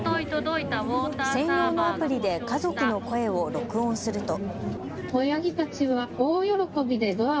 専用のアプリで家族の声を録音すると。